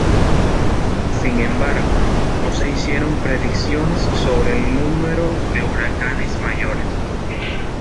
Sin embargo, no se hicieron predicciones sobre el número de huracanes mayores.